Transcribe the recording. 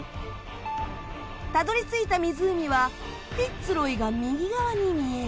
たどり着いた湖はフィッツ・ロイが右側に見える。